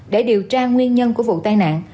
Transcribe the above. để điều tra nguyên nhân của vụ tai nạn